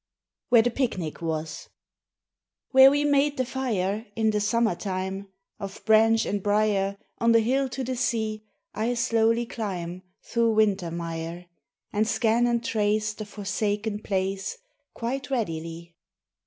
WHERE THE PICNIC WAS WHERE we made the fire, In the summer time, Of branch and briar On the hill to the sea I slowly climb Through winter mire, And scan and trace The forsaken place Quite readily.